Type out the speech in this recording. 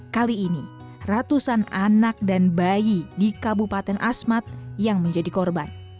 kali ini ratusan anak dan bayi di kabupaten asmat yang menjadi korban